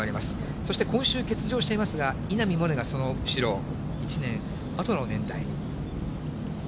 そして今週、欠場していますが、稲見萌寧がその後ろ、１年あとの年代。